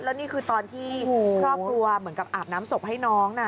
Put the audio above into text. แล้วนี่คือตอนที่ครอบครัวเหมือนกับอาบน้ำศพให้น้องนะ